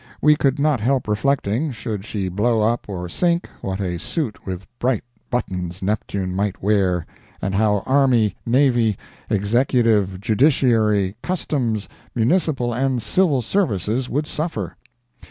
We could not help reflecting, should she blow up or sink, what a suit with bright buttons Neptune might wear, and how Army, Navy, Executive, Judiciary, Customs, Municipal and Civil Services would suffer.